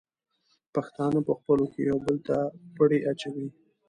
پښتانه په خپلو کې یو بل ته پړی اچوي.